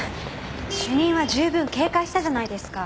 主任は十分警戒したじゃないですか。